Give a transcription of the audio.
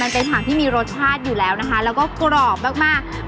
เป็นผักที่มีรสชาติอยู่แล้วนะคะแล้วก็กรอบมาก